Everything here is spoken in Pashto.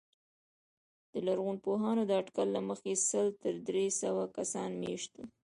د لرغونپوهانو د اټکل له مخې سل تر درې سوه کسان مېشت وو